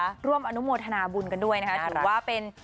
ร่วมอนุโมทนาบุญกันด้วยนะคะถือว่าเป็น